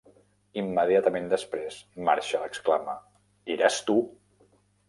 Immediatament després, Marshall exclama: "Eres tu!".